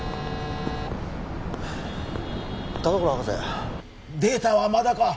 田所博士データはまだか？